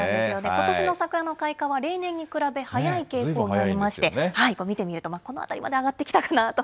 ことしの桜の開花は例年に比べ早い傾向にありまして、見てみると、この辺りまで上がってきたかなと。